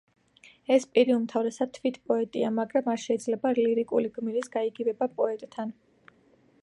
ეს პირი უმთავრესად თვით პოეტია, მაგრამ არ შეიძლება ლირიკული გმირის გაიგივება პოეტთან.